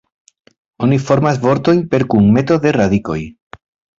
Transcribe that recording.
Oni formas vortojn per kunmeto de radikoj.